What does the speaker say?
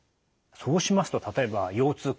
そうしますと例えば腰痛腰以外。